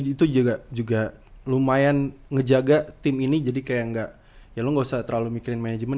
itu juga lumayan ngejaga tim ini jadi kayak gak ya lo gak usah terlalu mikirin manajemen